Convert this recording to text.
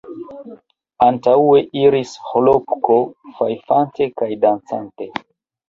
Antaŭe iris Ĥlopko, fajfante kaj dancante.